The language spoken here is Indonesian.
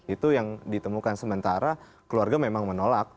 itu yang ditemukan sementara keluarga memang menolak